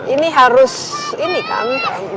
ini harus ini kan